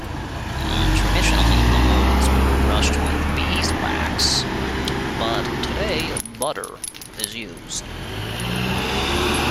Traditionally the moulds were brushed with beeswax, but today butter is used.